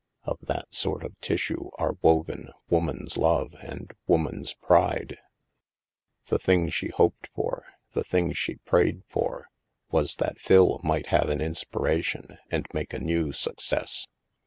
Of that sort of tissue are woven woman's love and woman's pride. The thing she hoped for, the thing she prayed for, was that Phil might have an inspiration and make a new success.